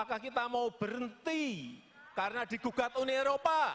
apakah kita mau berhenti karena digugat uni eropa